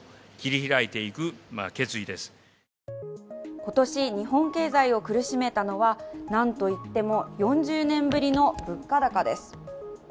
今年、日本経済を苦しめたのはなんといっても４０年ぶりの物価高です。